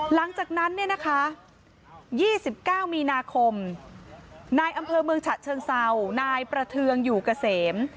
หลังจากนั้นเนี่ยนะคะ๒๙มีนาคมนายอำเภอเมืองฉะเชิงเศร้านายประเทืองอยู่เกษม